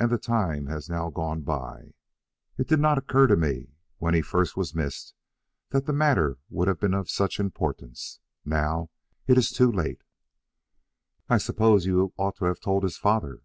And the time has now gone by. It did not occur to me when first he was missed that the matter would have been of such importance. Now it is too late." "I suppose that you ought to have told his father."